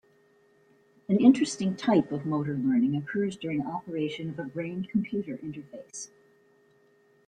An interesting type of motor learning occurs during operation of a brain-computer interface.